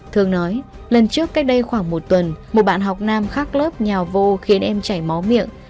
thường nói lần trước cách đây khoảng một tuần một bạn học nam khác lớp nhào vô khiến em chảy máu miệng